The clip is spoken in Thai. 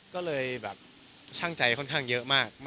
ก็เลยแบบช่างใจค่อนข้างเยอะมาก